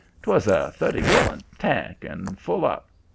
'Twas a thirty gallon tank, and full up.